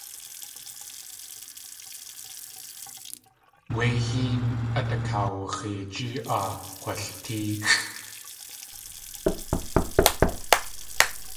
Wé héen át akawux̲eejí áa kg̲waltʼéexʼ.